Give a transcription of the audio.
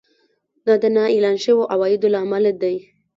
دا د نااعلان شويو عوایدو له امله دی